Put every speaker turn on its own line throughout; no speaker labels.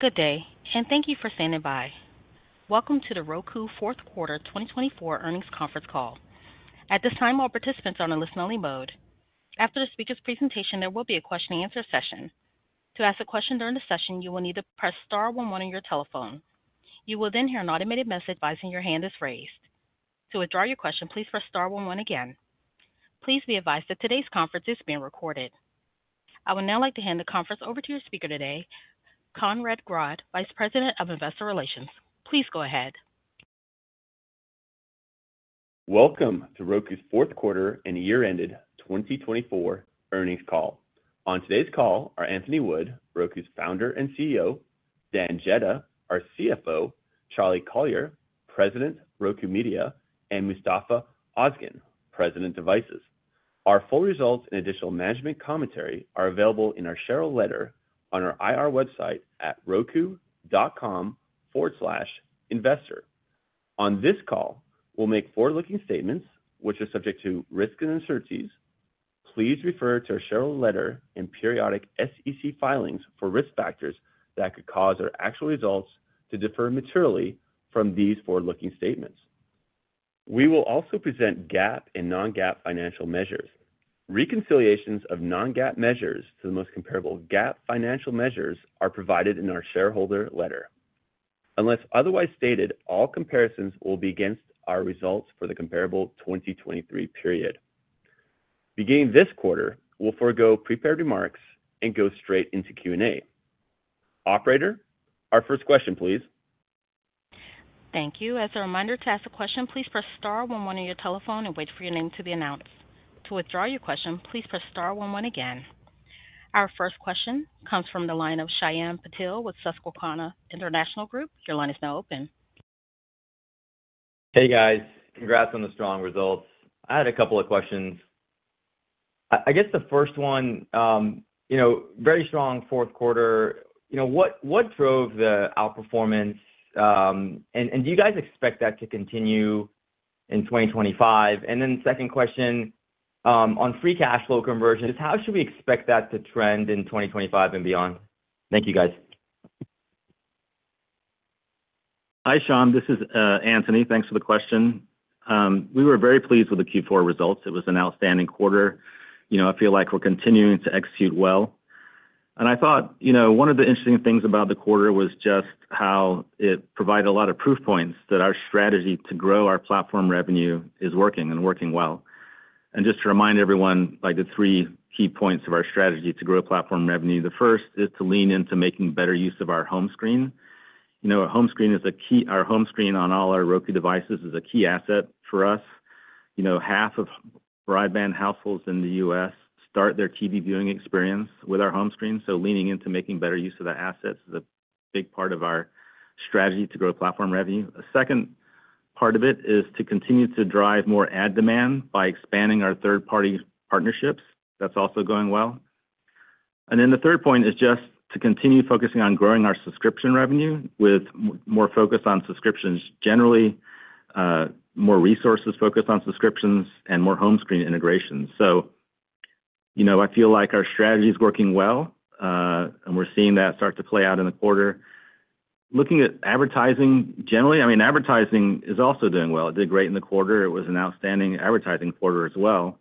Good day, and thank you for standing by. Welcome to the Roku Fourth Quarter 2024 Earnings Conference Call. At this time, all participants are on a listen-only mode. After the speaker's presentation, there will be a question-and-answer session. To ask a question during the session, you will need to press star 11 on your telephone. You will then hear an automated message advising your hand is raised. To withdraw your question, please press star 11 again. Please be advised that today's conference is being recorded. I would now like to hand the conference over to your speaker today, Conrad Grodd, Vice President of Investor Relations. Please go ahead.
Welcome to Roku's Fourth Quarter and Year-End 2024 earnings call. On today's call are Anthony Wood, Roku's Founder and CEO; Dan Jedda, our CFO; Charlie Collier, President, Roku Media; and Mustafa Ozgen, President, Devices. Our full results and additional management commentary are available in our shareholder letter on our IR website at roku.com/investor. On this call, we'll make forward-looking statements, which are subject to risks and uncertainties. Please refer to our shareholder letter and periodic SEC filings for risk factors that could cause our actual results to differ materially from these forward-looking statements. We will also present GAAP and non-GAAP financial measures. Reconciliations of non-GAAP measures to the most comparable GAAP financial measures are provided in our shareholder letter. Unless otherwise stated, all comparisons will be against our results for the comparable 2023 period. Beginning this quarter, we'll forgo prepared remarks and go straight into Q&A. Operator, our first question, please.
Thank you. As a reminder to ask a question, please press star 11 on your telephone and wait for your name to be announced. To withdraw your question, please press star 11 again. Our first question comes from the line of Shyam Patil with Susquehanna International Group. Your line is now open.
Hey, guys. Congrats on the strong results. I had a couple of questions. I guess the first one, very strong fourth quarter. What drove the outperformance? And do you guys expect that to continue in 2025? And then second question, on free cash flow conversion, how should we expect that to trend in 2025 and beyond? Thank you, guys.
Hi, Shyam. This is Anthony. Thanks for the question. We were very pleased with the Q4 results. It was an outstanding quarter. I feel like we're continuing to execute well, and I thought one of the interesting things about the quarter was just how it provided a lot of proof points that our strategy to grow our platform revenue is working and working well, and just to remind everyone, the three key points of our strategy to grow platform revenue, the first is to lean into making better use of our home screen. Our home screen is a key, our home screen on all our Roku devices is a key asset for us. Half of broadband households in the U.S. start their TV viewing experience with our home screen. So leaning into making better use of that asset is a big part of our strategy to grow platform revenue. A second part of it is to continue to drive more ad demand by expanding our third-party partnerships. That's also going well. And then the third point is just to continue focusing on growing our subscription revenue with more focus on subscriptions generally, more resources focused on subscriptions, and more home screen integrations. So I feel like our strategy is working well, and we're seeing that start to play out in the quarter. Looking at advertising generally, I mean, advertising is also doing well. It did great in the quarter. It was an outstanding advertising quarter as well.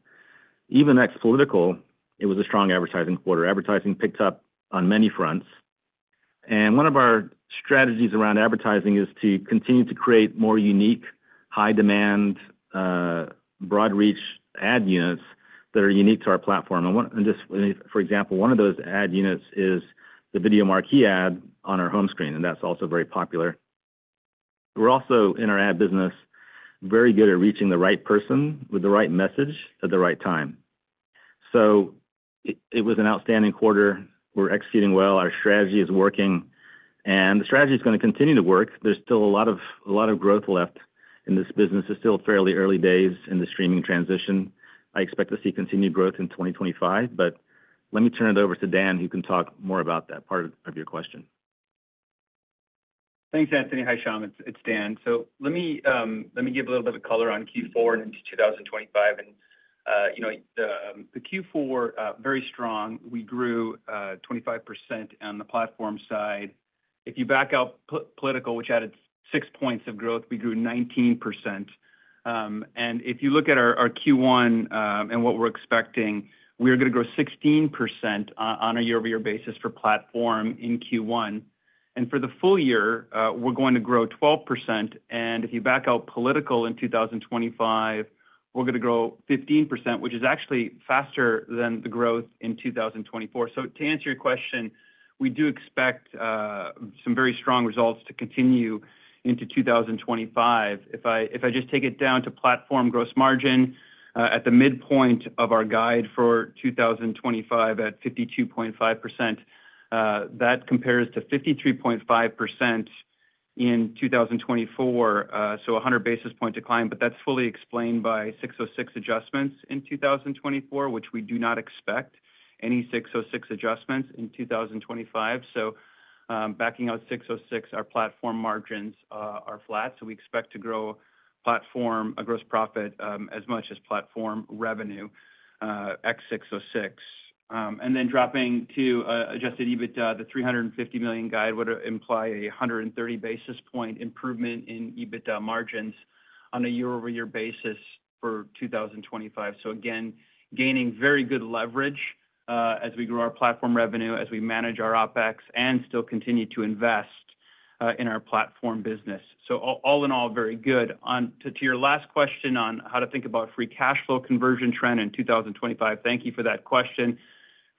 Even ex-political, it was a strong advertising quarter. Advertising picked up on many fronts. And one of our strategies around advertising is to continue to create more unique, high-demand, broad-reach ad units that are unique to our platform. and just for example, one of those ad units is the Video Marquee Ad on our home screen, and that's also very popular. We're also in our ad business very good at reaching the right person with the right message at the right time. So it was an outstanding quarter. We're executing well. Our strategy is working, and the strategy is going to continue to work. There's still a lot of growth left in this business. It's still fairly early days in the streaming transition. I expect to see continued growth in 2025, but let me turn it over to Dan, who can talk more about that part of your question.
Thanks, Anthony. Hi, Shyam. It's Dan. So let me give a little bit of color on Q4 and into 2025. And the Q4, very strong. We grew 25% on the platform side. If you back out political, which added six points of growth, we grew 19%. And if you look at our Q1 and what we're expecting, we're going to grow 16% on a year-over-year basis for platform in Q1. And for the full year, we're going to grow 12%. And if you back out political in 2025, we're going to grow 15%, which is actually faster than the growth in 2024. So to answer your question, we do expect some very strong results to continue into 2025. If I just take it down to platform gross margin at the midpoint of our guide for 2025 at 52.5%, that compares to 53.5% in 2024, so a 100 basis points decline, but that's fully explained by 606 adjustments in 2024, which we do not expect any 606 adjustments in 2025. So backing out 606, our platform margins are flat. So we expect to grow platform gross profit as much as platform revenue ex 606. And then dropping to adjusted EBITDA, the $350 million guide would imply a 130 basis points improvement in EBITDA margins on a year-over-year basis for 2025. So again, gaining very good leverage as we grow our platform revenue, as we manage our OpEx, and still continue to invest in our platform business. So all in all, very good. To your last question on how to think about free cash flow conversion trend in 2025, thank you for that question.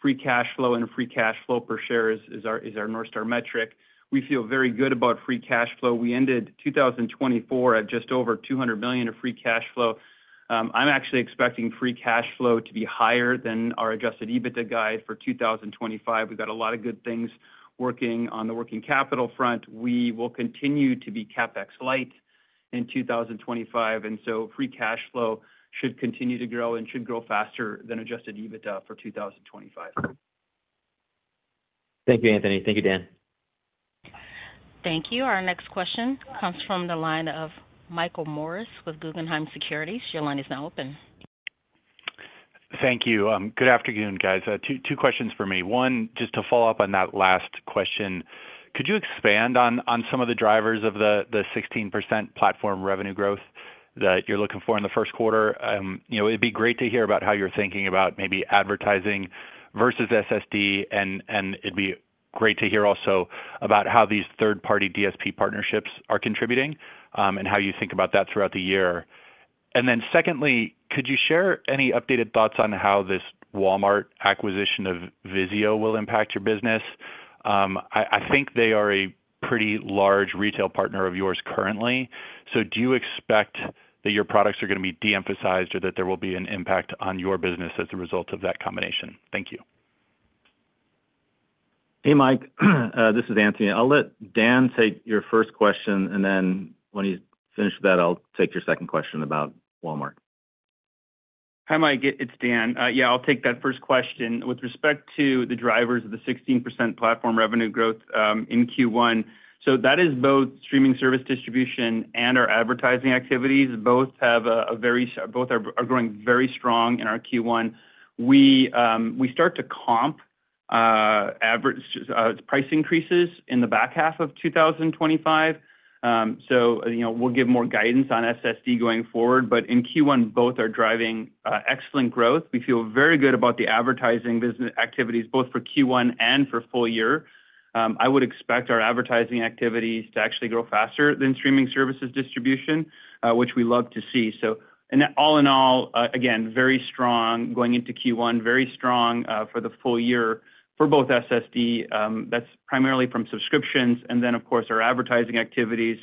Free cash flow and free cash flow per share is our North Star metric. We feel very good about free cash flow. We ended 2024 at just over $200 million of free cash flow. I'm actually expecting free cash flow to be higher than our adjusted EBITDA guide for 2025. We've got a lot of good things working on the working capital front. We will continue to be CapEx light in 2025, and so free cash flow should continue to grow and should grow faster than adjusted EBITDA for 2025.
Thank you, Anthony. Thank you, Dan.
Thank you. Our next question comes from the line of Michael Morris with Guggenheim Securities. Your line is now open.
Thank you. Good afternoon, guys. Two questions for me. One, just to follow up on that last question, could you expand on some of the drivers of the 16% platform revenue growth that you're looking for in the first quarter? It'd be great to hear about how you're thinking about maybe advertising versus SSD, and it'd be great to hear also about how these third-party DSP partnerships are contributing and how you think about that throughout the year. And then secondly, could you share any updated thoughts on how this Walmart acquisition of Vizio will impact your business? I think they are a pretty large retail partner of yours currently. So do you expect that your products are going to be de-emphasized or that there will be an impact on your business as a result of that combination? Thank you.
Hey, Mike. This is Anthony. I'll let Dan take your first question, and then when he's finished with that, I'll take your second question about Walmart.
Hi, Mike. It's Dan. Yeah, I'll take that first question. With respect to the drivers of the 16% platform revenue growth in Q1, so that is both streaming service distribution and our advertising activities. Both are growing very strong in our Q1. We start to comp price increases in the back half of 2025. So we'll give more guidance on SSD going forward, but in Q1, both are driving excellent growth. We feel very good about the advertising activities, both for Q1 and for full year. I would expect our advertising activities to actually grow faster than streaming services distribution, which we love to see. So all in all, again, very strong going into Q1, very strong for the full year for both SSD. That's primarily from subscriptions. And then, of course, our advertising activities,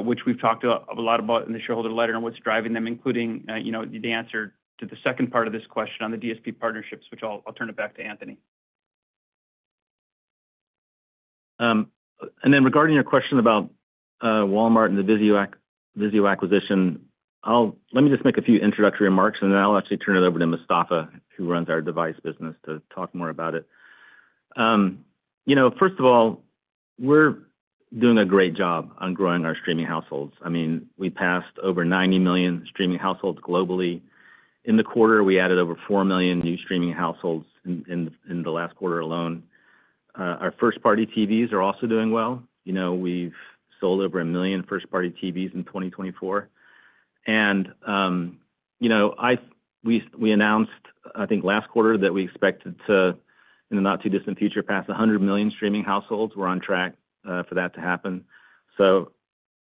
which we've talked a lot about in the shareholder letter and what's driving them, including the answer to the second part of this question on the DSP partnerships, which I'll turn it back to Anthony.
And then regarding your question about Walmart and the Vizio acquisition, let me just make a few introductory remarks, and then I'll actually turn it over to Mustafa, who runs our device business, to talk more about it. First of all, we're doing a great job on growing our streaming households. I mean, we passed over 90 million streaming households globally. In the quarter, we added over 4 million new streaming households in the last quarter alone. Our first-party TVs are also doing well. We've sold over 1 million first-party TVs in 2024. And we announced, I think, last quarter that we expected to, in the not-too-distant future, pass 100 million streaming households. We're on track for that to happen. So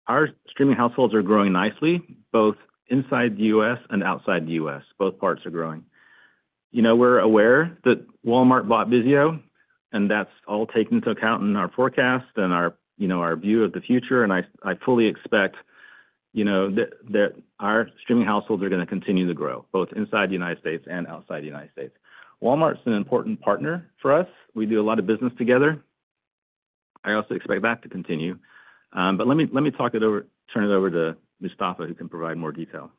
our streaming households are growing nicely, both inside the U.S. and outside the U.S. Both parts are growing. We're aware that Walmart bought Vizio, and that's all taken into account in our forecast and our view of the future. And I fully expect that our streaming households are going to continue to grow, both inside the United States and outside the United States. Walmart's an important partner for us. We do a lot of business together. I also expect that to continue. But let me turn it over to Mustafa, who can provide more detail.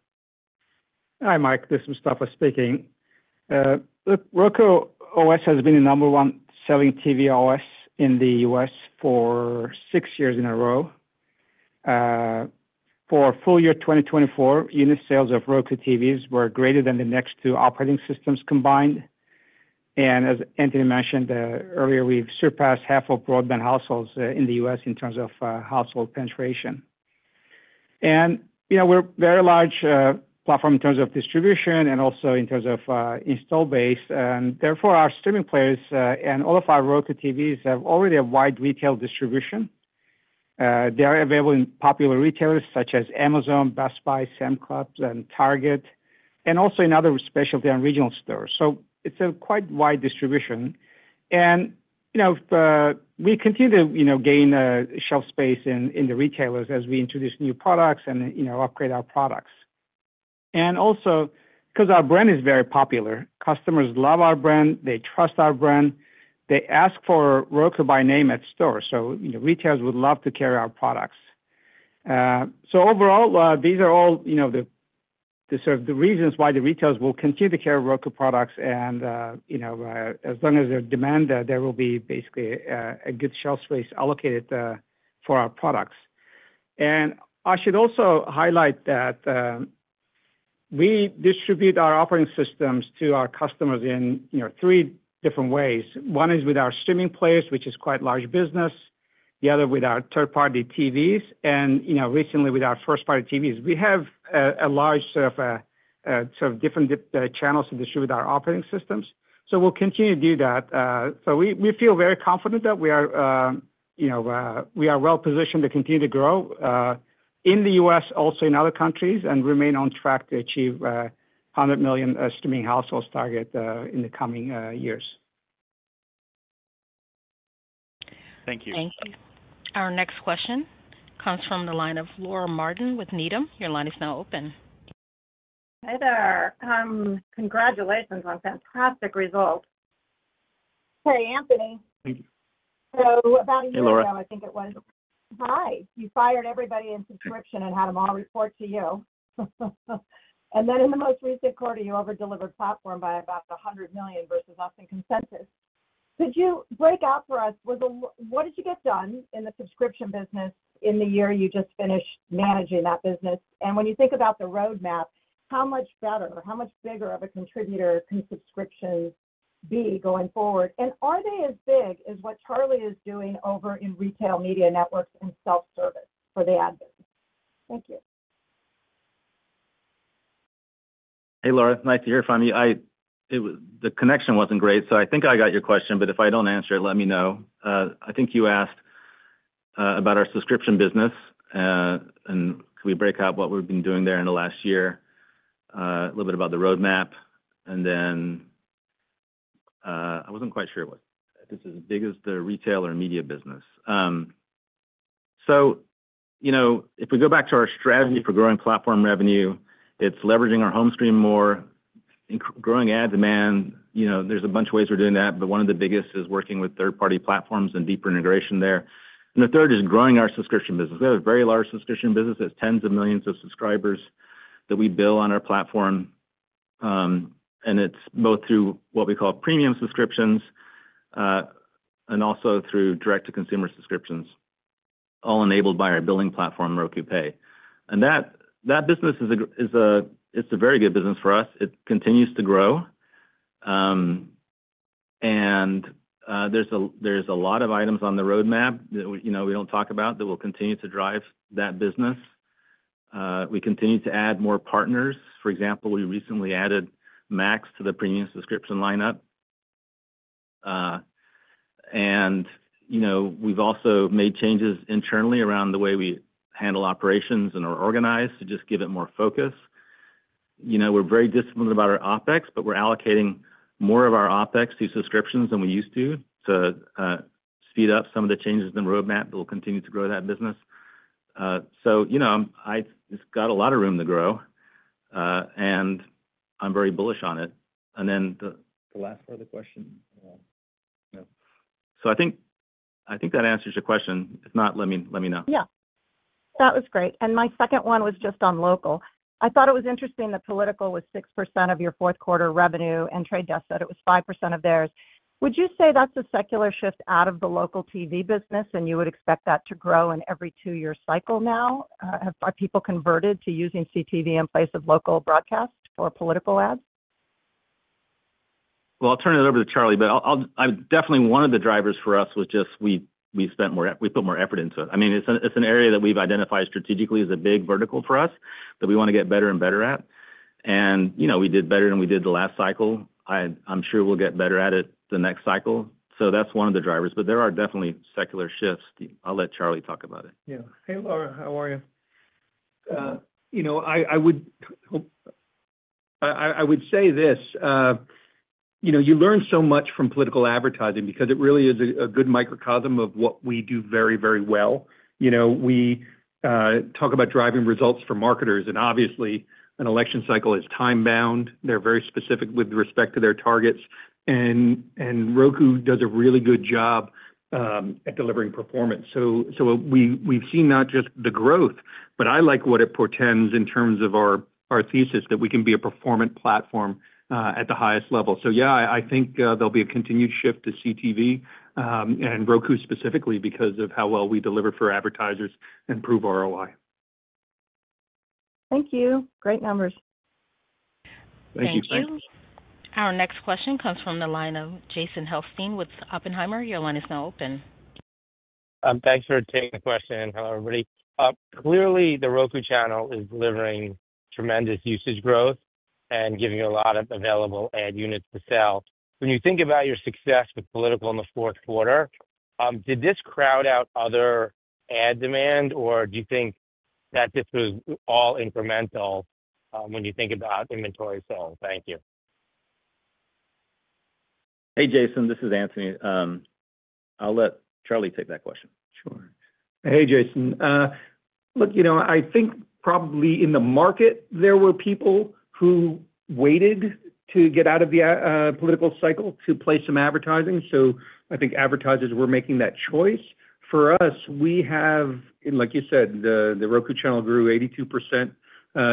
Hi, Mike. This is Mustafa speaking. Roku OS has been the number one selling TV OS in the U.S. for six years in a row. For full year 2024, unit sales of Roku TVs were greater than the next two operating systems combined. And as Anthony mentioned earlier, we've surpassed half of broadband households in the U.S. in terms of household penetration. And we're a very large platform in terms of distribution and also in terms of install base. And therefore, our streaming players and all of our Roku TVs have already a wide retail distribution. They are available in popular retailers such as Amazon, Best Buy, Sam's Club, and Target, and also in other specialty and regional stores. So it's quite a wide distribution. And we continue to gain shelf space in the retailers as we introduce new products and upgrade our products. And also, because our brand is very popular, customers love our brand. They trust our brand. They ask for Roku by name at stores. So retailers would love to carry our products. So overall, these are all the reasons why the retailers will continue to carry Roku products. And as long as there's demand, there will be basically a good shelf space allocated for our products. And I should also highlight that we distribute our operating systems to our customers in three different ways. One is with our streaming players, which is quite a large business. The other with our third-party TVs. And recently, with our first-party TVs, we have a large set of different channels to distribute our operating systems. So we'll continue to do that. So we feel very confident that we are well-positioned to continue to grow in the U.S., also in other countries, and remain on track to achieve 100 million streaming households target in the coming years.
Thank you.
Thank you. Our next question comes from the line of Laura Martin with Needham. Your line is now open.
Hey there. Congratulations on fantastic results. Hey, Anthony.
Thank you.
So about a year ago, I think it was.
Hey, Laura.
Hi. You fired everybody in subscription and had them all report to you. And then in the most recent quarter, you over-delivered platform by about $100 million versus consensus. Could you break out for us? What did you get done in the subscription business in the year you just finished managing that business? And when you think about the roadmap, how much better, how much bigger of a contributor can subscriptions be going forward? And are they as big as what Charlie is doing over in retail media networks and self-service for the Ads Manager? Thank you.
Hey, Laura. It's nice to hear from you. The connection wasn't great, so I think I got your question, but if I don't answer it, let me know. I think you asked about our subscription business, and can we break out what we've been doing there in the last year, a little bit about the roadmap, and then I wasn't quite sure if this is as big as the retail or media business. So if we go back to our strategy for growing platform revenue, it's leveraging our home screen more, growing ad demand. There's a bunch of ways we're doing that, but one of the biggest is working with third-party platforms and deeper integration there. And the third is growing our subscription business. We have a very large subscription business. It's tens of millions of subscribers that we bill on our platform. And it's both through what we call premium subscriptions and also through direct-to-consumer subscriptions, all enabled by our billing platform, Roku Pay. And that business, it's a very good business for us. It continues to grow. And there's a lot of items on the roadmap that we don't talk about that will continue to drive that business. We continue to add more partners. For example, we recently added Max to the premium subscription lineup. And we've also made changes internally around the way we handle operations and are organized to just give it more focus. We're very disciplined about our OpEx, but we're allocating more of our OpEx to subscriptions than we used to to speed up some of the changes in the roadmap that will continue to grow that business. So it's got a lot of room to grow, and I'm very bullish on it. And then the. The last part of the question? No. So I think that answers your question. If not, let me know.
Yeah. That was great. And my second one was just on local. I thought it was interesting that political was 6% of your fourth-quarter revenue, and The Trade Desk said it was 5% of theirs. Would you say that's a secular shift out of the local TV business, and you would expect that to grow in every two-year cycle now? Have people converted to using CTV in place of local broadcast for political ads?
Well, I'll turn it over to Charlie, but definitely one of the drivers for us was just we put more effort into it. I mean, it's an area that we've identified strategically as a big vertical for us that we want to get better and better at. And we did better than we did the last cycle. I'm sure we'll get better at it the next cycle. So that's one of the drivers, but there are definitely secular shifts. I'll let Charlie talk about it.
Yeah. Hey, Laura. How are you? I would say this. You learn so much from political advertising because it really is a good microcosm of what we do very, very well. We talk about driving results for marketers, and obviously, an election cycle is time-bound. They're very specific with respect to their targets. And Roku does a really good job at delivering performance. So we've seen not just the growth, but I like what it portends in terms of our thesis that we can be a performant platform at the highest level. So yeah, I think there'll be a continued shift to CTV and Roku specifically because of how well we deliver for advertisers and prove ROI.
Thank you. Great numbers.
Thank you.
Thank you. Our next question comes from the line of Jason Helfstein with Oppenheimer. Your line is now open.
Thanks for taking the question. Hello, everybody. Clearly, The Roku Channel is delivering tremendous usage growth and giving you a lot of available ad units to sell. When you think about your success with political in the fourth quarter, did this crowd out other ad demand, or do you think that this was all incremental when you think about inventory sales? Thank you.
Hey, Jason. This is Anthony. I'll let Charlie take that question.
Sure. Hey, Jason. Look, I think probably in the market, there were people who waited to get out of the political cycle to play some advertising. So I think advertisers were making that choice. For us, we have, like you said, The Roku Channel grew 82%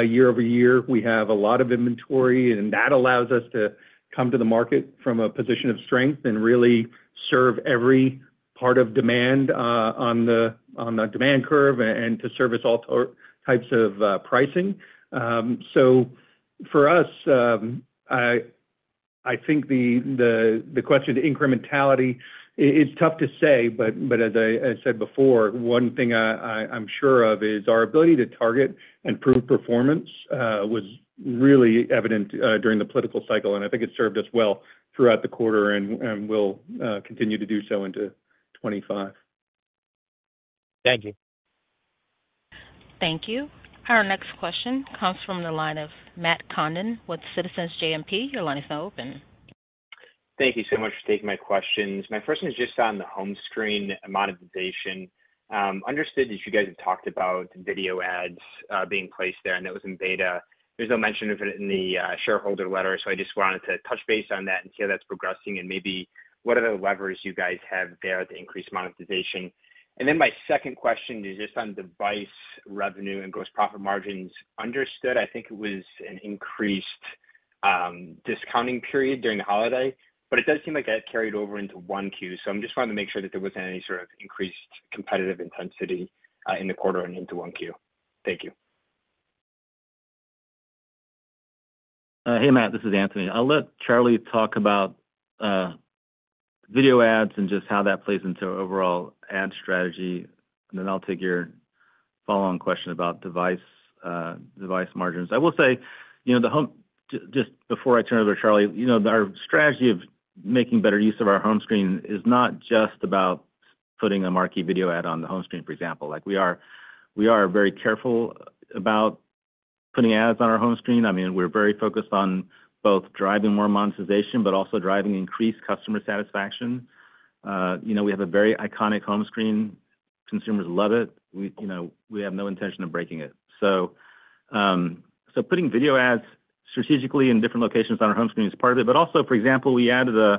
year-over-year. We have a lot of inventory, and that allows us to come to the market from a position of strength and really serve every part of demand on the demand curve and to service all types of pricing. So for us, I think the question of incrementality, it's tough to say, but as I said before, one thing I'm sure of is our ability to target and prove performance was really evident during the political cycle, and I think it served us well throughout the quarter and will continue to do so into 2025.
Thank you.
Thank you. Our next question comes from the line of Matt Condon with Citizens JMP. Your line is now open.
Thank you so much for taking my questions. My question is just on the home screen monetization. Understood that you guys have talked about video ads being placed there, and that was in beta. There's no mention of it in the shareholder letter, so I just wanted to touch base on that and see how that's progressing and maybe what other levers you guys have there to increase monetization. And then my second question is just on device revenue and gross profit margins. Understood. I think it was an increased discounting period during the holiday, but it does seem like that carried over into Q1, so I'm just wanting to make sure that there wasn't any sort of increased competitive intensity in the quarter and into Q1. Thank you.
Hey, Matt. This is Anthony. I'll let Charlie talk about video ads and just how that plays into overall ad strategy. And then I'll take your follow-on question about device margins. I will say, just before I turn it over to Charlie, our strategy of making better use of our home screen is not just about putting a Marquee Video Ad on the home screen, for example. We are very careful about putting ads on our home screen. I mean, we're very focused on both driving more monetization, but also driving increased customer satisfaction. We have a very iconic home screen. Consumers love it. We have no intention of breaking it. So putting video ads strategically in different locations on our home screen is part of it. But also, for example, we added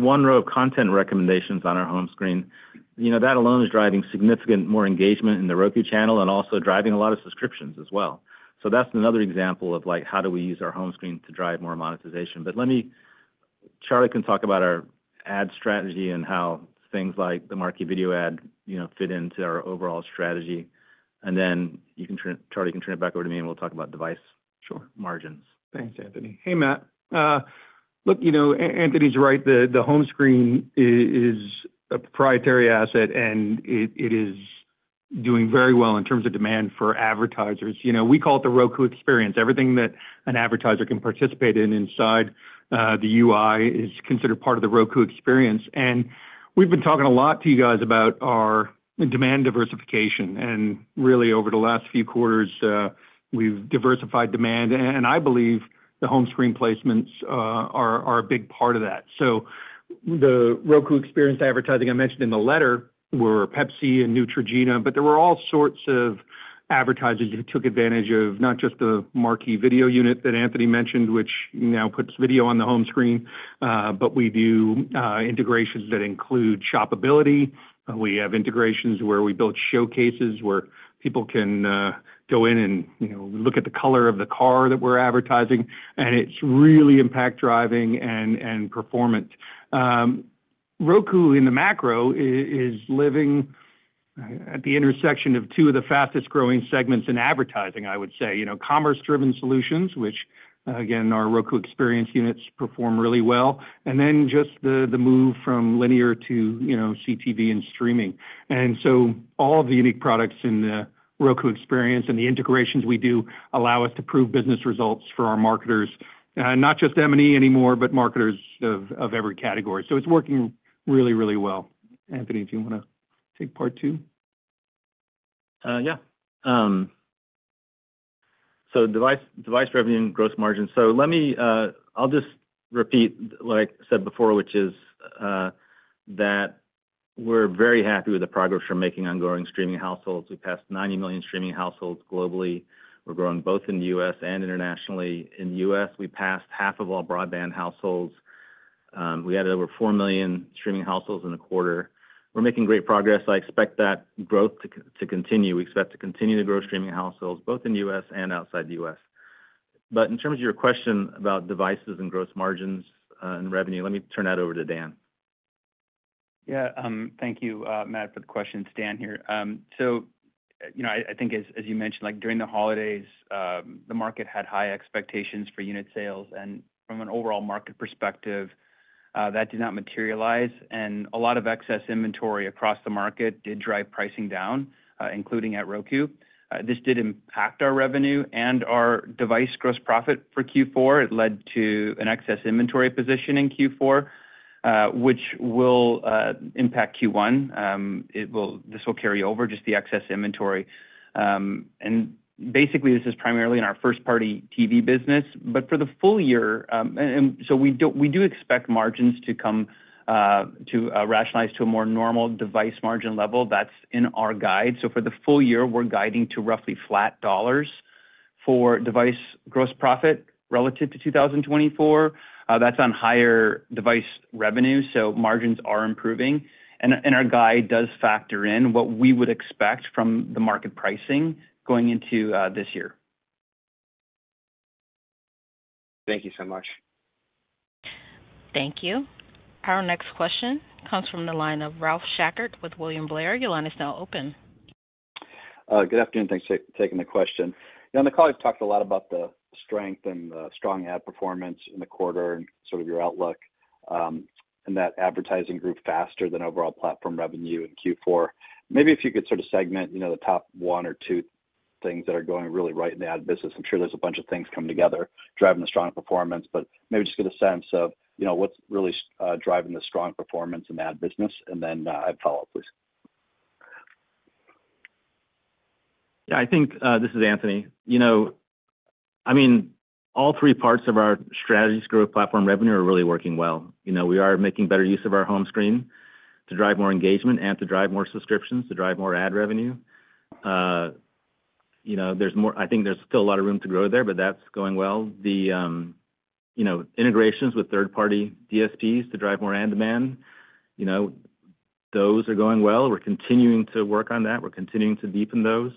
one row of content recommendations on our home screen. That alone is driving significant more engagement in The Roku Channel and also driving a lot of subscriptions as well. So that's another example of how do we use our home screen to drive more monetization. But Charlie can talk about our ad strategy and how things like the Marquee Video Ad fit into our overall strategy. And then Charlie can turn it back over to me, and we'll talk about device margins.
Sure. Thanks, Anthony. Hey, Matt. Look, Anthony's right. The home screen is a proprietary asset, and it is doing very well in terms of demand for advertisers. We call it the Roku Experience. Everything that an advertiser can participate in inside the UI is considered part of the Roku Experience. And we've been talking a lot to you guys about our demand diversification. And really, over the last few quarters, we've diversified demand. And I believe the home screen placements are a big part of that. So the Roku Experience advertising I mentioned in the letter were Pepsi and Neutrogena, but there were all sorts of advertisers who took advantage of not just the Marquee Video unit that Anthony mentioned, which now puts video on the home screen, but we do integrations that include shoppability. We have integrations where we build showcases where people can go in and look at the color of the car that we're advertising, and it's really impact-driving and performant. Roku in the macro is living at the intersection of two of the fastest-growing segments in advertising, I would say. Commerce-driven solutions, which, again, our Roku Experience units perform really well, and then just the move from linear to CTV and streaming, and so all of the unique products in the Roku Experience and the integrations we do allow us to prove business results for our marketers, not just M&E anymore, but marketers of every category, so it's working really, really well. Anthony, do you want to take part two?
Yeah. So device revenue and gross margins. So I'll just repeat what I said before, which is that we're very happy with the progress we're making on growing streaming households. We passed 90 million streaming households globally. We're growing both in the U.S. and internationally. In the U.S., we passed half of all broadband households. We added over four million streaming households in the quarter. We're making great progress. I expect that growth to continue. We expect to continue to grow streaming households both in the U.S. and outside the U.S. But in terms of your question about devices and gross margins and revenue, let me turn that over to Dan.
Yeah. Thank you, Matt, for the question. It's Dan here. So I think, as you mentioned, during the holidays, the market had high expectations for unit sales. And from an overall market perspective, that did not materialize. And a lot of excess inventory across the market did drive pricing down, including at Roku. This did impact our revenue and our device gross profit for Q4. It led to an excess inventory position in Q4, which will impact Q1. This will carry over just the excess inventory. And basically, this is primarily in our first-party TV business. But for the full year, so we do expect margins to rationalize to a more normal device margin level. That's in our guide. So for the full year, we're guiding to roughly flat dollars for device gross profit relative to 2024. That's on higher device revenue. So margins are improving. Our guide does factor in what we would expect from the market pricing going into this year.
Thank you so much.
Thank you. Our next question comes from the line of Ralph Schackart with William Blair. Your line is now open.
Good afternoon. Thanks for taking the question. On the call, we've talked a lot about the strength and the strong ad performance in the quarter and sort of your outlook and that advertising grew faster than overall platform revenue in Q4. Maybe if you could sort of segment the top one or two things that are going really right in the ad business. I'm sure there's a bunch of things coming together driving the strong performance, but maybe just get a sense of what's really driving the strong performance in the ad business. And then I have a follow-up, please.
Yeah. I think this is Anthony. I mean, all three parts of our strategy's growth platform revenue are really working well. We are making better use of our home screen to drive more engagement and to drive more subscriptions, to drive more ad revenue. I think there's still a lot of room to grow there, but that's going well. The integrations with third-party DSPs to drive more ad demand, those are going well. We're continuing to work on that. We're continuing to deepen those.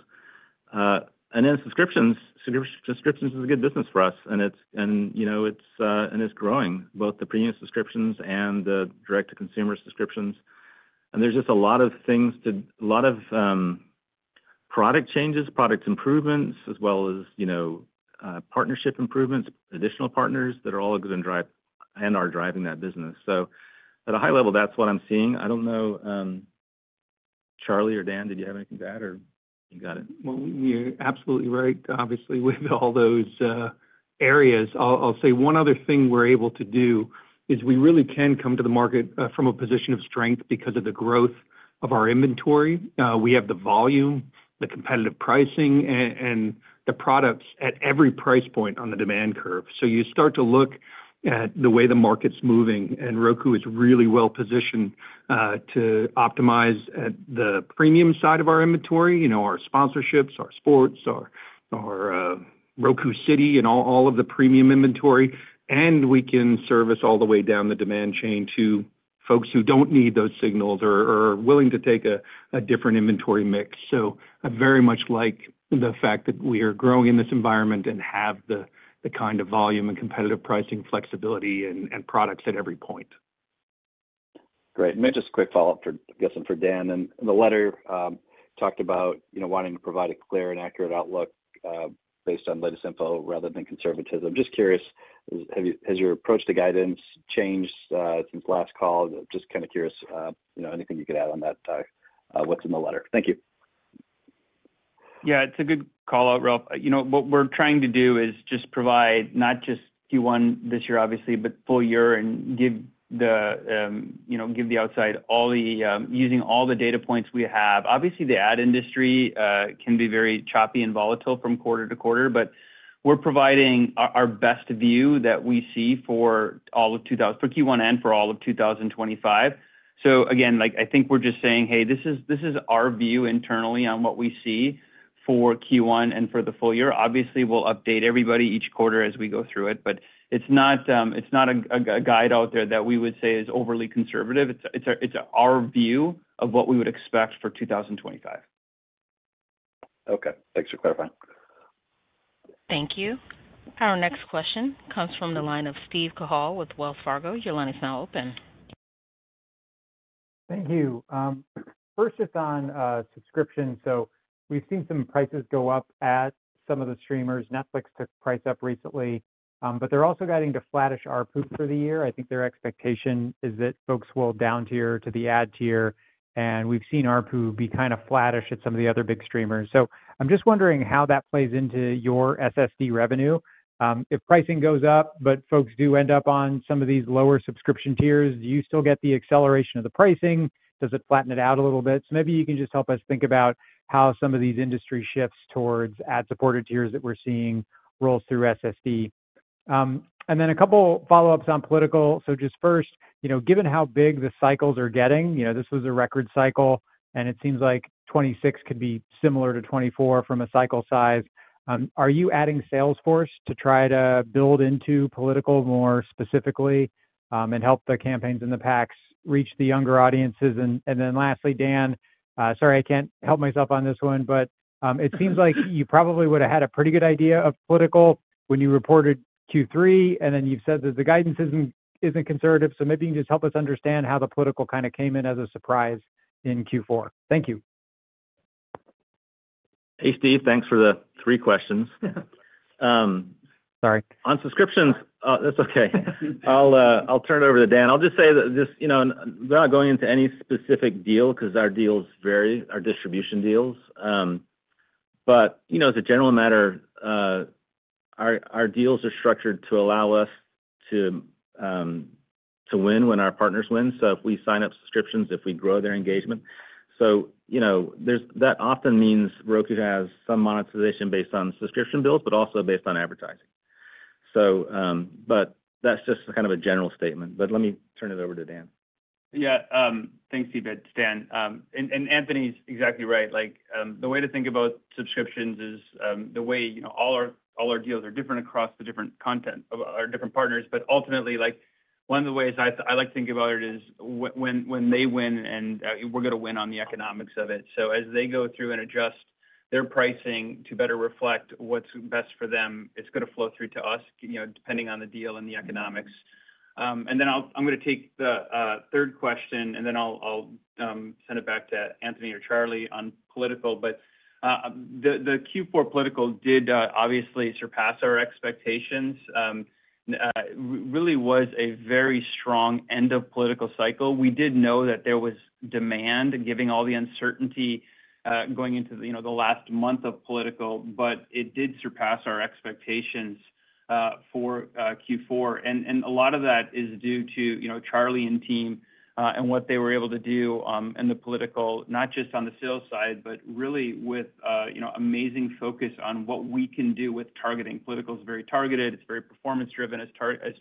And then subscriptions. Subscriptions is a good business for us, and it's growing, both the premium subscriptions and the direct-to-consumer subscriptions. And there's just a lot of things, a lot of product changes, product improvements, as well as partnership improvements, additional partners that are all good and are driving that business. So at a high level, that's what I'm seeing. I don't know, Charlie or Dan, did you have anything to add, or you got it?
You're absolutely right. Obviously, with all those areas, I'll say one other thing we're able to do is we really can come to the market from a position of strength because of the growth of our inventory. We have the volume, the competitive pricing, and the products at every price point on the demand curve. So you start to look at the way the market's moving, and Roku is really well-positioned to optimize the premium side of our inventory, our sponsorships, our sports, our Roku City, and all of the premium inventory. And we can service all the way down the demand chain to folks who don't need those signals or are willing to take a different inventory mix. So I very much like the fact that we are growing in this environment and have the kind of volume and competitive pricing flexibility and products at every point.
Great. Maybe just a quick follow-up, I'm guessing, for Dan, and the letter talked about wanting to provide a clear and accurate outlook based on latest info rather than conservatism. Just curious, has your approach to guidance changed since last call? Just kind of curious, anything you could add on that, what's in the letter? Thank you.
Yeah. It's a good call out, Ralph. What we're trying to do is just provide not just Q1 this year, obviously, but full year and give the outside world all the data points we have using all the data points we have. Obviously, the ad industry can be very choppy and volatile from quarter to quarter, but we're providing our best view that we see for Q1 and for all of 2025. So again, I think we're just saying, "Hey, this is our view internally on what we see for Q1 and for the full year." Obviously, we'll update everybody each quarter as we go through it, but it's not a guide out there that we would say is overly conservative. It's our view of what we would expect for 2025.
Okay. Thanks for clarifying.
Thank you. Our next question comes from the line of Steve Cahall with Wells Fargo. Your line is now open.
Thank you. First, just on subscriptions. So we've seen some prices go up at some of the streamers. Netflix took price up recently, but they're also guiding to flattish ARPU for the year. I think their expectation is that folks will down tier to the ad tier. And we've seen ARPU be kind of flattish at some of the other big streamers. So I'm just wondering how that plays into your SSD revenue. If pricing goes up, but folks do end up on some of these lower subscription tiers, do you still get the acceleration of the pricing? Does it flatten it out a little bit? So maybe you can just help us think about how some of these industry shifts towards ad-supported tiers that we're seeing roll through SSD. And then a couple of follow-ups on political. So just first, given how big the cycles are getting, this was a record cycle, and it seems like 2026 could be similar to 2024 from a cycle size. Are you adding sales force to try to build into political more specifically and help the campaigns and the PACs reach the younger audiences? And then lastly, Dan, sorry, I can't help myself on this one, but it seems like you probably would have had a pretty good idea of political when you reported Q3, and then you've said that the guidance isn't conservative. So maybe you can just help us understand how the political kind of came in as a surprise in Q4. Thank you.
Hey, Steve. Thanks for the three questions.
Sorry.
On subscriptions, that's okay. I'll turn it over to Dan. I'll just say that we're not going into any specific deal because our deals vary, our distribution deals. But as a general matter, our deals are structured to allow us to win when our partners win. So if we sign up subscriptions, if we grow their engagement. So that often means Roku has some monetization based on subscription bills, but also based on advertising. But that's just kind of a general statement. But let me turn it over to Dan.
Yeah. Thanks, Steve. And Anthony's exactly right. The way to think about subscriptions is the way all our deals are different across the different content of our different partners. But ultimately, one of the ways I like to think about it is when they win, and we're going to win on the economics of it. So as they go through and adjust their pricing to better reflect what's best for them, it's going to flow through to us depending on the deal and the economics. And then I'm going to take the third question, and then I'll send it back to Anthony or Charlie on political. But the Q4 political did obviously surpass our expectations. It really was a very strong end-of-political cycle. We did know that there was demand given all the uncertainty going into the last month of political, but it did surpass our expectations for Q4. And a lot of that is due to Charlie and team and what they were able to do in the political, not just on the sales side, but really with amazing focus on what we can do with targeting. Political is very targeted. It's very performance-driven, as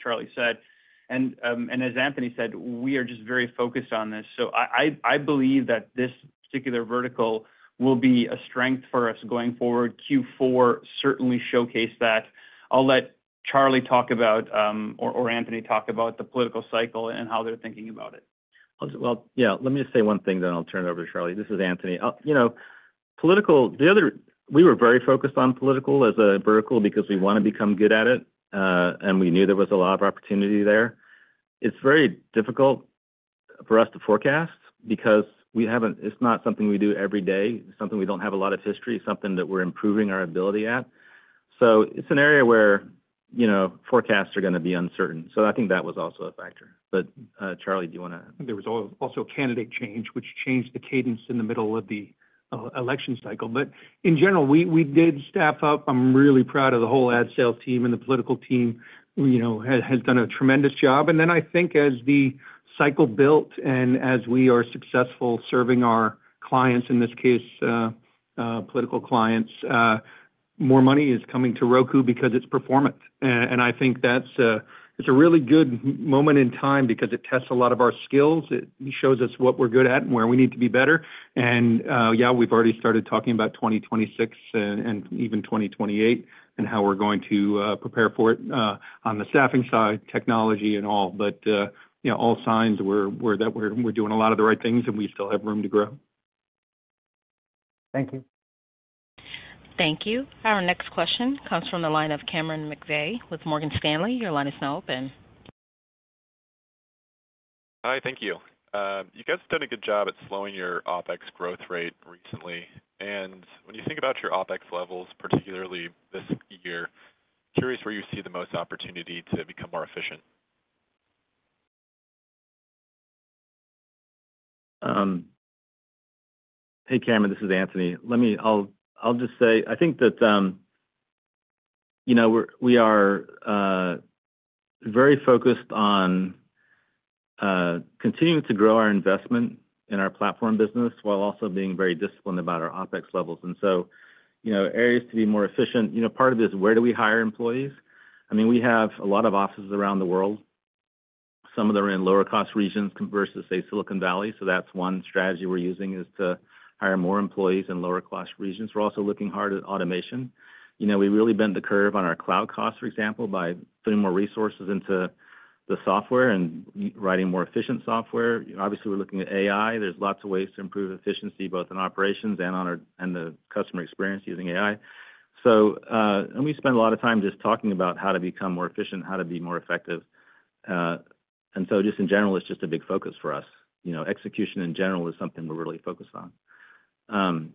Charlie said. And as Anthony said, we are just very focused on this. So I believe that this particular vertical will be a strength for us going forward. Q4 certainly showcased that. I'll let Charlie talk about or Anthony talk about the political cycle and how they're thinking about it.
Well, yeah. Let me just say one thing, then I'll turn it over to Charlie. This is Anthony. Political, we were very focused on political as a vertical because we want to become good at it, and we knew there was a lot of opportunity there. It's very difficult for us to forecast because it's not something we do every day. It's something we don't have a lot of history. It's something that we're improving our ability at. So it's an area where forecasts are going to be uncertain. So I think that was also a factor. But Charlie, do you want to?
There was also candidate change, which changed the cadence in the middle of the election cycle. But in general, we did staff up. I'm really proud of the whole ad sales team and the political team has done a tremendous job. And then I think as the cycle built and as we are successful serving our clients, in this case, political clients, more money is coming to Roku because it's performant. And I think that's a really good moment in time because it tests a lot of our skills. It shows us what we're good at and where we need to be better. And yeah, we've already started talking about 2026 and even 2028 and how we're going to prepare for it on the staffing side, technology, and all. But all signs that we're doing a lot of the right things and we still have room to grow.
Thank you.
Thank you. Our next question comes from the line of Cameron McVeigh with Morgan Stanley. Your line is now open.
Hi. Thank you. You guys have done a good job at slowing your OpEx growth rate recently. And when you think about your OpEx levels, particularly this year, curious where you see the most opportunity to become more efficient?
Hey, Cameron. This is Anthony. I'll just say I think that we are very focused on continuing to grow our investment in our platform business while also being very disciplined about our OpEx levels, and so areas to be more efficient, part of it is where do we hire employees? I mean, we have a lot of offices around the world. Some of them are in lower-cost regions versus, say, Silicon Valley. So that's one strategy we're using is to hire more employees in lower-cost regions. We're also looking hard at automation. We really bent the curve on our cloud costs, for example, by putting more resources into the software and writing more efficient software. Obviously, we're looking at AI. There's lots of ways to improve efficiency both in operations and the customer experience using AI. We spend a lot of time just talking about how to become more efficient, how to be more effective. So just in general, it's just a big focus for us. Execution in general is something we're really focused on. I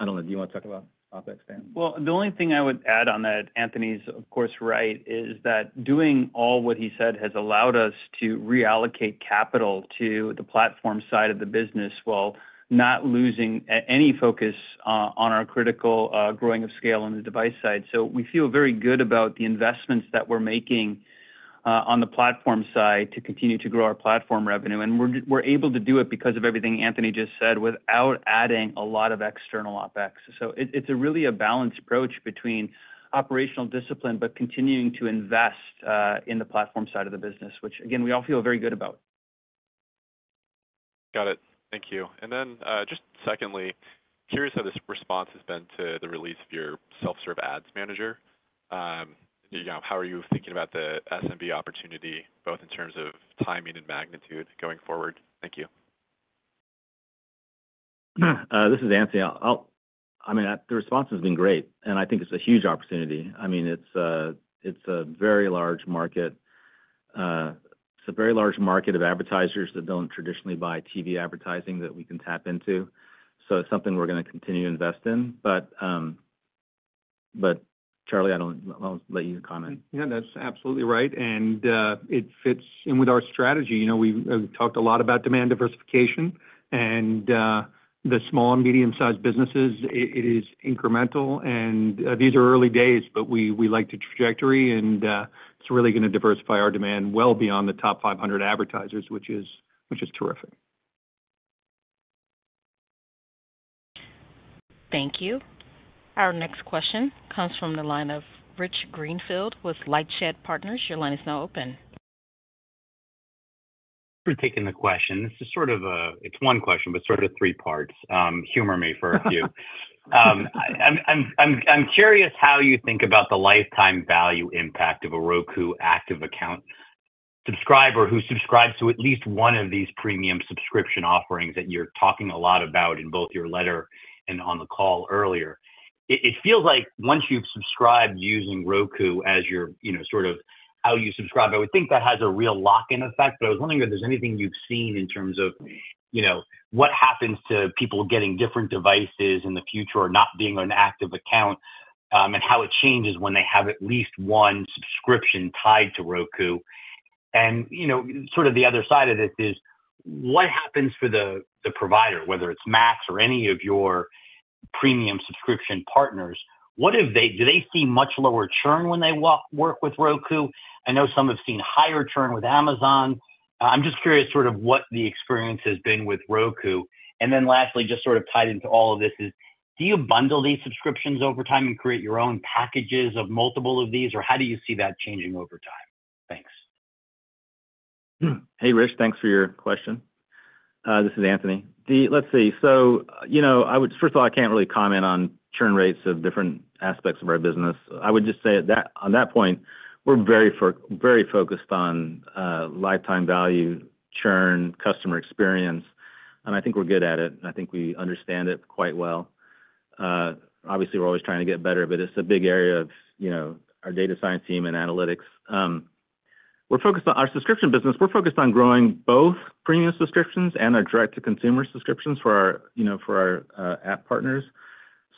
don't know. Do you want to talk about OpEx, Dan? The only thing I would add on that Anthony is, of course, right, is that doing all that he said has allowed us to reallocate capital to the platform side of the business while not losing any focus on our critical growing of scale on the device side. So we feel very good about the investments that we're making on the platform side to continue to grow our platform revenue. And we're able to do it because of everything Anthony just said without adding a lot of external OpEx. So it's really a balanced approach between operational discipline but continuing to invest in the platform side of the business, which, again, we all feel very good about.
Got it. Thank you. And then just secondly, curious how this response has been to the release of your self-serve Ads Manager. How are you thinking about the SMB opportunity both in terms of timing and magnitude going forward? Thank you.
This is Anthony. I mean, the response has been great. And I think it's a huge opportunity. I mean, it's a very large market. It's a very large market of advertisers that don't traditionally buy TV advertising that we can tap into. So it's something we're going to continue to invest in. But Charlie, I'll let you comment.
Yeah. That's absolutely right. And it fits in with our strategy. We've talked a lot about demand diversification. And the small and medium-sized businesses, it is incremental. And these are early days, but we like the trajectory. And it's really going to diversify our demand well beyond the top 500 advertisers, which is terrific.
Thank you. Our next question comes from the line of Rich Greenfield with LightShed Partners. Your line is now open.
Taking the question. This is sort of a, it's one question, but sort of three parts. Humor me for a few. I'm curious how you think about the lifetime value impact of a Roku active account subscriber who subscribes to at least one of these premium subscription offerings that you're talking a lot about in both your letter and on the call earlier. It feels like once you've subscribed using Roku as your sort of how you subscribe, I would think that has a real lock-in effect. But I was wondering if there's anything you've seen in terms of what happens to people getting different devices in the future or not being on an active account and how it changes when they have at least one subscription tied to Roku. Sort of the other side of this is what happens for the provider, whether it's Max or any of your premium subscription partners. Do they see much lower churn when they work with Roku? I know some have seen higher churn with Amazon. I'm just curious sort of what the experience has been with Roku. And then lastly, just sort of tied into all of this is, do you bundle these subscriptions over time and create your own packages of multiple of these, or how do you see that changing over time? Thanks.
Hey, Rich. Thanks for your question. This is Anthony. Let's see. So first of all, I can't really comment on churn rates of different aspects of our business. I would just say on that point, we're very focused on lifetime value, churn, customer experience, and I think we're good at it. And I think we understand it quite well. Obviously, we're always trying to get better, but it's a big area of our data science team and analytics. Our subscription business, we're focused on growing both premium subscriptions and our direct-to-consumer subscriptions for our app partners.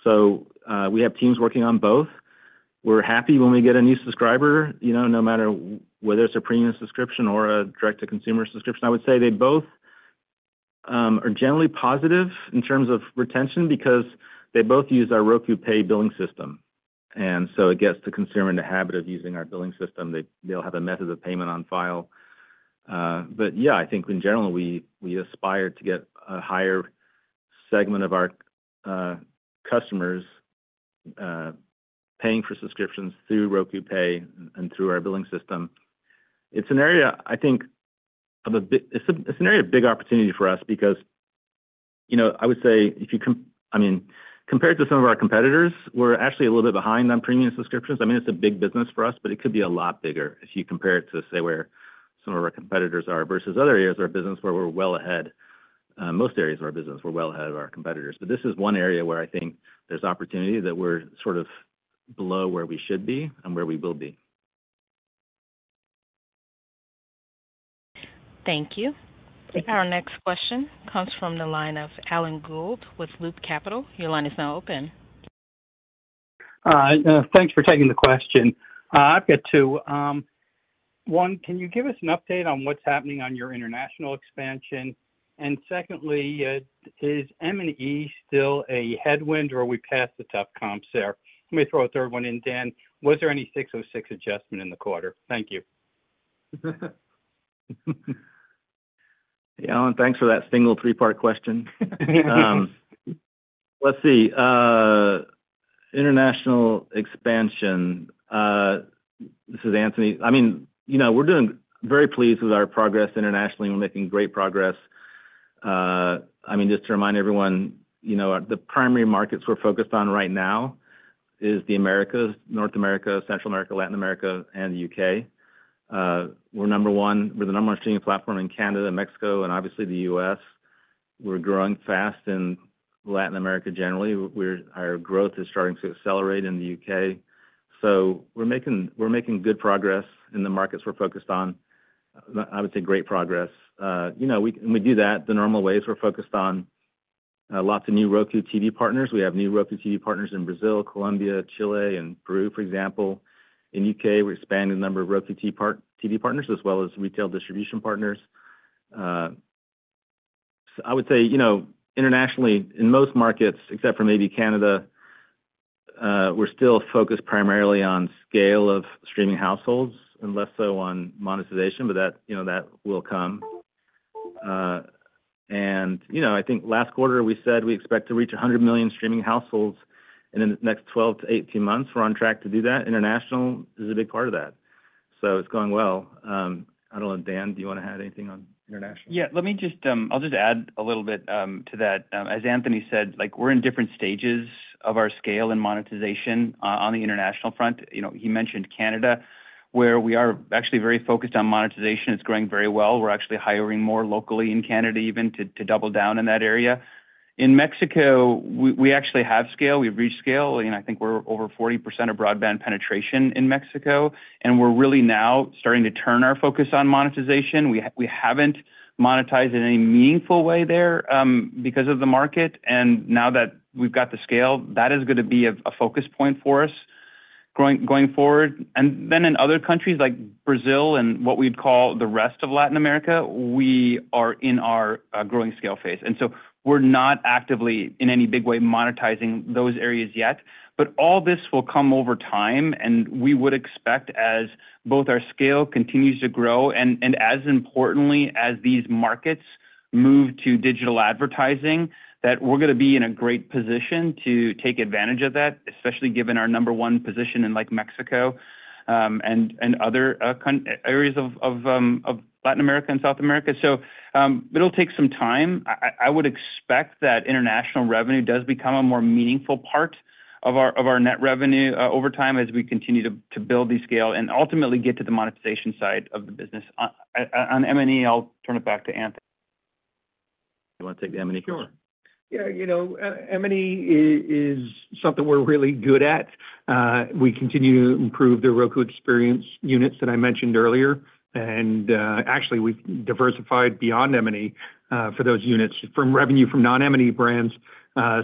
So we have teams working on both. We're happy when we get a new subscriber, no matter whether it's a premium subscription or a direct-to-consumer subscription. I would say they both are generally positive in terms of retention because they both use our Roku Pay billing system. It gets the consumer into the habit of using our billing system. They'll have a method of payment on file. But yeah, I think in general, we aspire to get a higher segment of our customers paying for subscriptions through Roku Pay and through our billing system. It's an area, I think, of big opportunity for us because I would say if you—I mean, compared to some of our competitors, we're actually a little bit behind on premium subscriptions. I mean, it's a big business for us, but it could be a lot bigger if you compare it to, say, where some of our competitors are versus other areas of our business where we're well ahead. Most areas of our business, we're well ahead of our competitors. But this is one area where I think there's opportunity that we're sort of below where we should be and where we will be.
Thank you. Our next question comes from the line of Alan Gould with Loop Capital. Your line is now open.
Thanks for taking the question. I've got two. One, can you give us an update on what's happening on your international expansion? And secondly, is M&E still a headwind or are we past the tough comps there? Let me throw a third one in, Dan. Was there any 606 adjustment in the quarter? Thank you.
Yeah. Thanks for that single three-part question. Let's see. International expansion. This is Anthony. I mean, we're very pleased with our progress internationally. We're making great progress. I mean, just to remind everyone, the primary markets we're focused on right now are the Americas, North America, Central America, Latin America, and the U.K. We're number one. We're the number one streaming platform in Canada, Mexico, and obviously the U.S. We're growing fast in Latin America generally. Our growth is starting to accelerate in the U.K. So we're making good progress in the markets we're focused on. I would say great progress. And we do that the normal ways. We're focused on lots of new Roku TV partners. We have new Roku TV partners in Brazil, Colombia, Chile, and Peru, for example. In the U.K., we're expanding the number of Roku TV partners as well as retail distribution partners. I would say internationally, in most markets, except for maybe Canada, we're still focused primarily on scale of streaming households and less so on monetization, but that will come. I think last quarter, we said we expect to reach 100 million streaming households. In the next 12-18 months, we're on track to do that. International is a big part of that. It's going well. I don't know, Dan, do you want to add anything on international?
Yeah. I'll just add a little bit to that. As Anthony said, we're in different stages of our scale and monetization on the international front. He mentioned Canada, where we are actually very focused on monetization. It's growing very well. We're actually hiring more locally in Canada even to double down in that area. In Mexico, we actually have scale. We've reached scale. I think we're over 40% of broadband penetration in Mexico. And we're really now starting to turn our focus on monetization. We haven't monetized in any meaningful way there because of the market. And now that we've got the scale, that is going to be a focus point for us going forward. And then in other countries like Brazil and what we'd call the rest of Latin America, we are in our growing scale phase. And so we're not actively, in any big way, monetizing those areas yet. But all this will come over time. And we would expect as both our scale continues to grow and as importantly as these markets move to digital advertising that we're going to be in a great position to take advantage of that, especially given our number one position in Mexico and other areas of Latin America and South America. So it'll take some time. I would expect that international revenue does become a more meaningful part of our net revenue over time as we continue to build the scale and ultimately get to the monetization side of the business. On M&E, I'll turn it back to Anthony.
Do you want to take the M&E floor?
Yeah. M&E is something we're really good at. We continue to improve the Roku Experience units that I mentioned earlier. And actually, we've diversified beyond M&E for those units from revenue from non-M&E brands.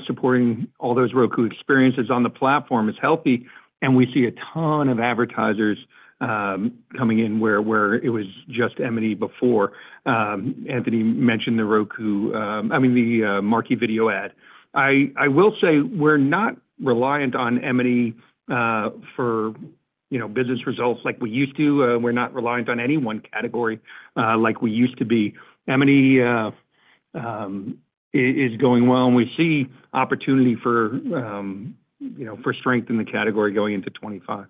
Supporting all those Roku Experiences on the platform is healthy, and we see a ton of advertisers coming in where it was just M&E before. Anthony mentioned the Roku, I mean, the Marquee Video Ad. I will say we're not reliant on M&E for business results like we used to. We're not reliant on any one category like we used to be. M&E is going well, and we see opportunity for strength in the category going into 2025.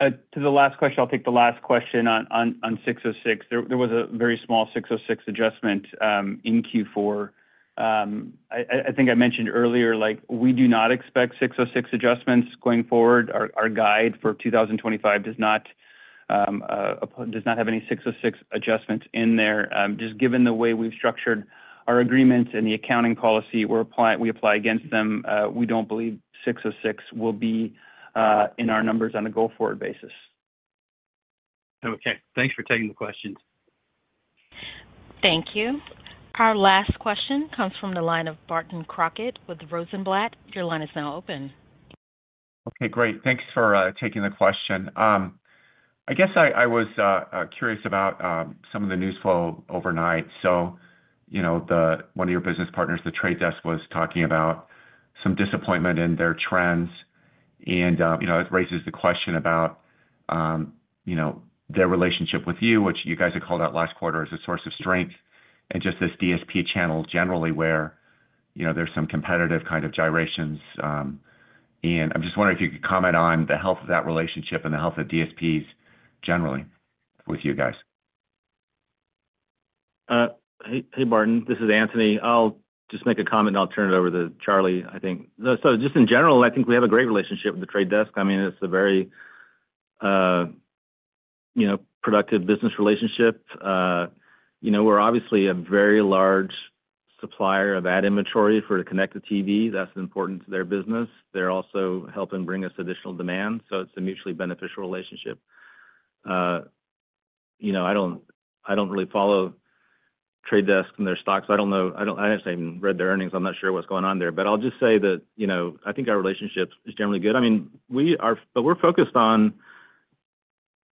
To the last question, I'll take the last question on 606. There was a very small 606 adjustment in Q4. I think I mentioned earlier we do not expect 606 adjustments going forward. Our guide for 2025 does not have any 606 adjustments in there. Just given the way we've structured our agreements and the accounting policy we apply against them, we don't believe 606 will be in our numbers on a go-forward basis. Okay. Thanks for taking the questions.
Thank you. Our last question comes from the line of Barton Crockett with Rosenblatt. Your line is now open.
Okay. Great. Thanks for taking the question. I guess I was curious about some of the news flow overnight. So one of your business partners, The Trade Desk, was talking about some disappointment in their trends. And it raises the question about their relationship with you, which you guys have called out last quarter as a source of strength, and just this DSP channel generally where there's some competitive kind of gyrations. And I'm just wondering if you could comment on the health of that relationship and the health of DSPs generally with you guys.
Hey, Barton. This is Anthony. I'll just make a comment, and I'll turn it over to Charlie, I think. So just in general, I think we have a great relationship with The Trade Desk. I mean, it's a very productive business relationship. We're obviously a very large supplier of ad inventory for the connected TV. That's important to their business. They're also helping bring us additional demand. So it's a mutually beneficial relationship. I don't really follow The Trade Desk and their stocks. I don't know. I haven't read their earnings. I'm not sure what's going on there. But I'll just say that I think our relationship is generally good. I mean, but we're focused on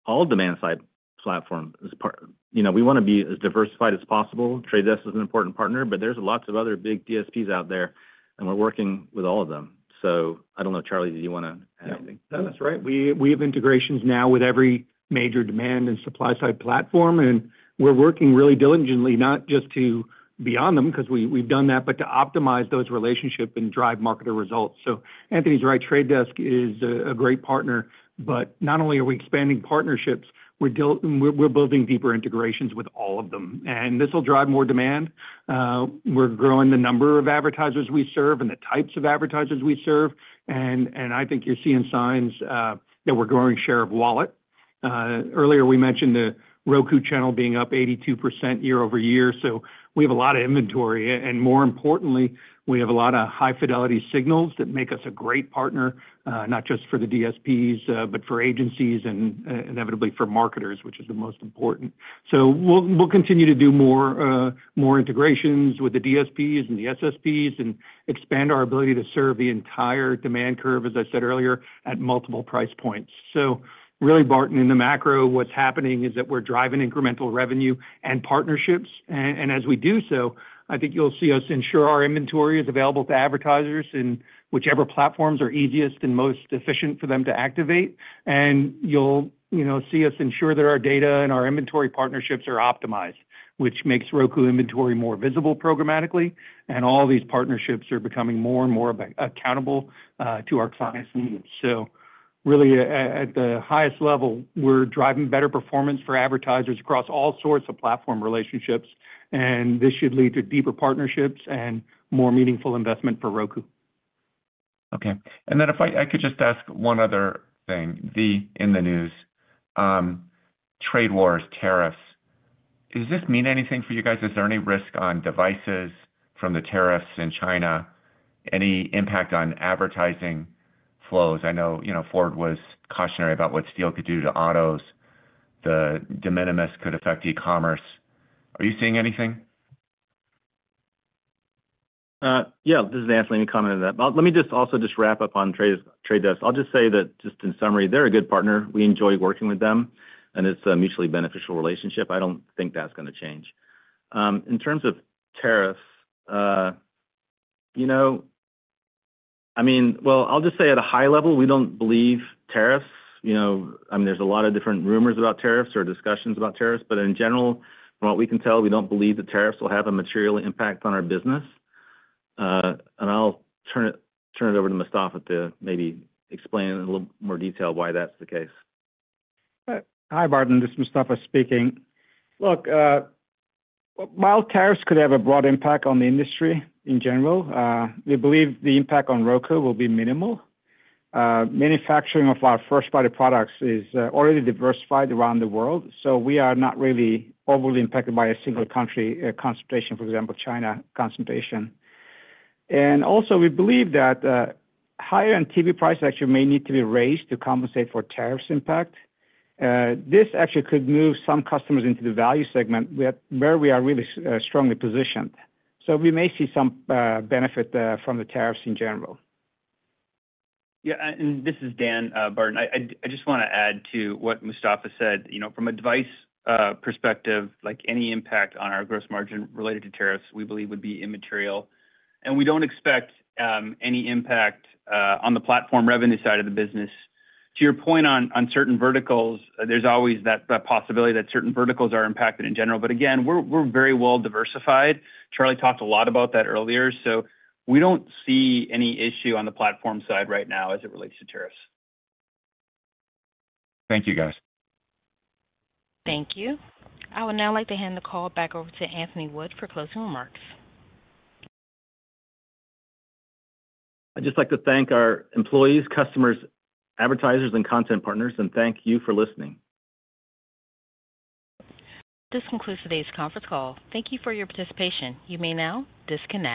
all demand-side platforms. We want to be as diversified as possible. The Trade Desk is an important partner, but there's lots of other big DSPs out there. And we're working with all of them. So I don't know, Charlie, did you want to add anything?
Yeah. That's right. We have integrations now with every major demand and supply-side platform. And we're working really diligently, not just to be on them because we've done that, but to optimize those relationships and drive marketer results. So Anthony's right. Trade Desk is a great partner. But not only are we expanding partnerships, we're building deeper integrations with all of them. And this will drive more demand. We're growing the number of advertisers we serve and the types of advertisers we serve. And I think you're seeing signs that we're growing share of wallet. Earlier, we mentioned The Roku Channel being up 82% year-over-year. So we have a lot of inventory. And more importantly, we have a lot of high-fidelity signals that make us a great partner, not just for the DSPs, but for agencies and inevitably for marketers, which is the most important. So we'll continue to do more integrations with the DSPs and the SSPs and expand our ability to serve the entire demand curve, as I said earlier, at multiple price points. So really, Barton, in the macro, what's happening is that we're driving incremental revenue and partnerships. And as we do so, I think you'll see us ensure our inventory is available to advertisers in whichever platforms are easiest and most efficient for them to activate. And you'll see us ensure that our data and our inventory partnerships are optimized, which makes Roku inventory more visible programmatically. And all these partnerships are becoming more and more accountable to our clients' needs. So really, at the highest level, we're driving better performance for advertisers across all sorts of platform relationships. And this should lead to deeper partnerships and more meaningful investment for Roku.
Okay. And then if I could just ask one other thing, the in the news trade wars, tariffs. Does this mean anything for you guys? Is there any risk on devices from the tariffs in China? Any impact on advertising flows? I know Ford was cautionary about what steel could do to autos. The de minimis could affect e-commerce. Are you seeing anything?
Yeah. This is Anthony commenting on that. Well, let me just also just wrap up on The Trade Desk. I'll just say that just in summary, they're a good partner. We enjoy working with them. And it's a mutually beneficial relationship. I don't think that's going to change. In terms of tariffs, I mean, well, I'll just say at a high level, we don't believe tariffs. I mean, there's a lot of different rumors about tariffs or discussions about tariffs. But in general, from what we can tell, we don't believe that tariffs will have a material impact on our business. And I'll turn it over to Mustafa to maybe explain in a little more detail why that's the case.
Hi, Barton. This is Mustafa speaking. Look, while tariffs could have a broad impact on the industry in general, we believe the impact on Roku will be minimal. Manufacturing of our first-party products is already diversified around the world. So we are not really overly impacted by a single country concentration, for example, China concentration. And also, we believe that higher-end TV prices actually may need to be raised to compensate for tariffs' impact. This actually could move some customers into the value segment where we are really strongly positioned. So we may see some benefit from the tariffs in general.
Yeah. And this is Dan, Barton. I just want to add to what Mustafa said. From a device perspective, any impact on our gross margin related to tariffs we believe would be immaterial. And we don't expect any impact on the platform revenue side of the business. To your point on certain verticals, there's always that possibility that certain verticals are impacted in general. But again, we're very well diversified. Charlie talked a lot about that earlier. So we don't see any issue on the platform side right now as it relates to tariffs. Thank you, guys.
Thank you. I would now like to hand the call back over to Anthony Wood for closing remarks.
I'd just like to thank our employees, customers, advertisers, and content partners, and thank you for listening.
This concludes today's conference call. Thank you for your participation. You may now disconnect.